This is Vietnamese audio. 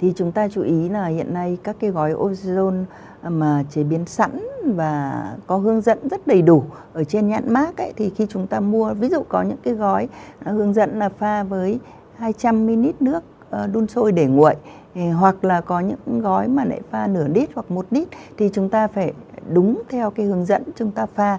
thì chúng ta chú ý là hiện nay các cái gói ozone mà chế biến sẵn và có hướng dẫn rất đầy đủ ở trên nhãn mác thì khi chúng ta mua ví dụ có những cái gói hướng dẫn là pha với hai trăm linh ml nước đun sôi để nguội hoặc là có những gói mà lại pha nửa đít hoặc một đít thì chúng ta phải đúng theo cái hướng dẫn chúng ta pha